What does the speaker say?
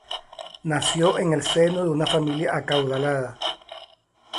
Nació en el seno de una familia acaudalada.